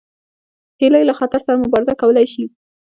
هیلۍ له خطر سره مبارزه کولی شي